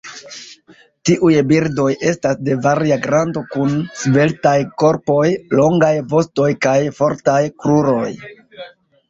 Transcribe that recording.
Tiuj birdoj estas de varia grando kun sveltaj korpoj, longaj vostoj kaj fortaj kruroj.